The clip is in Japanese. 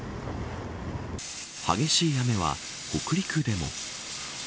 激しい雨は北陸でも。